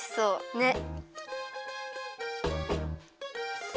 ねっ。